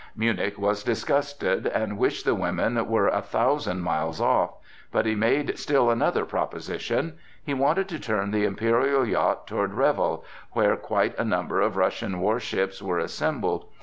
Münnich was disgusted and wished the women were a thousand miles off; but he made still another proposition. He wanted to turn the imperial yacht toward Reval, where quite a number of Russian warships were assembled.